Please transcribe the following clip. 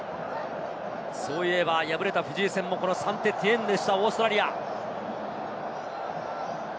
そういえば敗れたフィジー戦もここサンテティエンヌでした、オーストラリア。